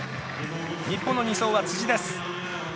日本の２走はです。